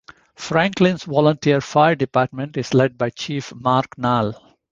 Franklin's volunteer fire department is led by Chief Mark Nall.